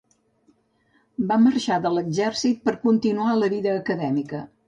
Va marxar de l'exèrcit per continuar la vida acadèmica.